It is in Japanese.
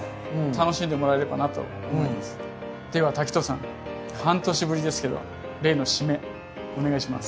では滝藤さん半年ぶりですけど例の締めお願いします。